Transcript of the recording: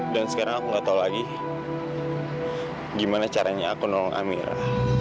dan sekarang aku enggak tahu lagi gimana caranya aku nolong amira